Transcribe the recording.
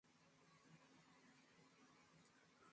tuhma kuwa uligubikwa na wizi wa kura na hivyo haukuwa huru na haki